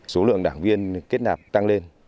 số lượng đảng viên kết nạp tăng lên